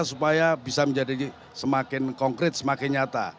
supaya bisa menjadi semakin konkret semakin nyata